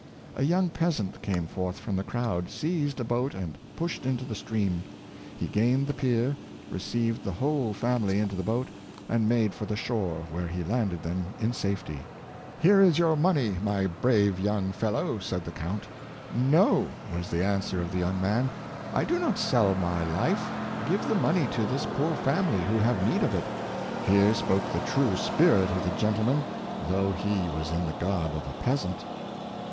"" A young peasant came forth from the crowd, seized a boat and pushed into the stream. He gained the pier, received the whole family into the boat, and made for the shore, where he landed them in safety. " Here 616 I^itrepidity of Deal Boatmen, is your money, my brave young fellow," said the count. *' No," was the answer of the young man, ^'I do not sell my life; give the money to this poor family, who have need of it." Here spoke the true spirit of the gentleman, though he was in the garb of a peasant.